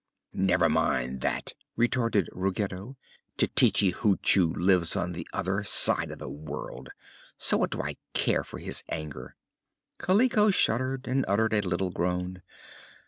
"Never mind that," retorted Ruggedo. "Tititi Hoochoo lives on the other side of the world, so what do I care for his anger?" Kaliko shuddered and uttered a little groan.